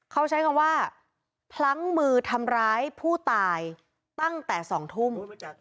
เขาใช้คำว่าพลั้งมือทำร้ายผู้ตายตั้งแต่๒ทุ่ม